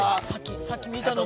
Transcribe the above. ◆さっき見たのを？